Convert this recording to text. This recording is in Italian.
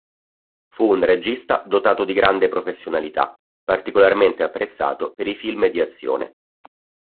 Fu un regista dotato di grande professionalità, particolarmente apprezzato per i film di azione.